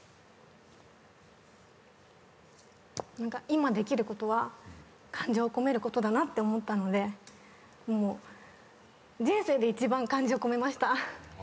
今できることは感情込めることだなって思ったので人生で一番感情込めました。